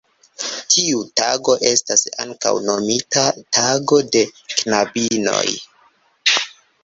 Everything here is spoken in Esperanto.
Tiu tago estas ankaŭ nomita "tago de knabinoj".